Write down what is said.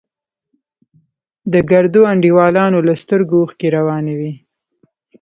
د ګردو انډيوالانو له سترگو اوښکې روانې وې.